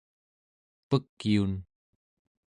Pekyun